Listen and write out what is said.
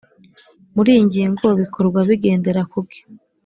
muri iyi ngingo bikorwa bigendera kuki